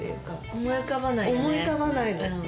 思い浮かばないよね。